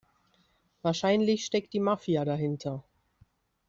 Wahrscheinlich steckt die Mafia dahinter.